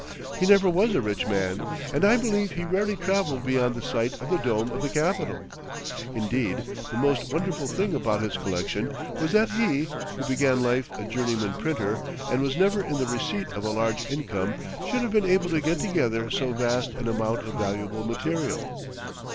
He never was a rich man, and I believe he rarely traveled beyond the sight of the dome of the Capitol. Indeed, the most wonderful thing about his collection was that he, who began life a journeyman printer, and was never in the receipt of a large income, should have been able to get together so vast an amount of valuable material.